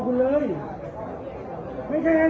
หุ้มน้ำสวน